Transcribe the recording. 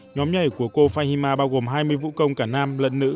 nhóm nhảy của cô fahima bao gồm hai mươi vũ công cả nam lẫn nữ